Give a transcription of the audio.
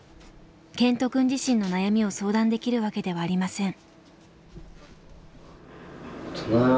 健人くん自身の悩みを相談できるわけではありません。